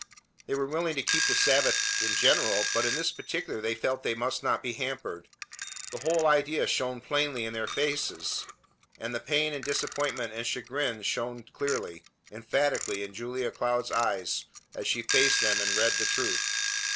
They were willing to keep the Sabbath in general, but in this particular they felt they must not be hampered. The whole idea shone plainly in their faces, and the pain and disappointment and chagrin shone clearly, emphatically in Julia Cloud's eyes as she faced them and read the truth.